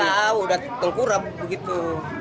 iya udah tengkurap begitu